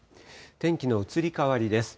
天気の移り変わりです。